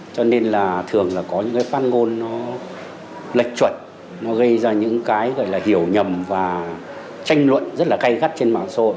cho nên là thường có những phát ngôn lệch chuẩn gây ra những hiểu nhầm và tranh luận rất cay gắt trên mạng xã hội